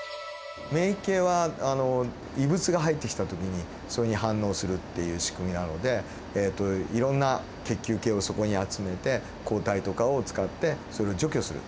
免疫系はあの異物が入ってきた時にそれに反応するっていう仕組みなのでいろんな血球系をそこに集めて抗体とかを使ってそれを除去する。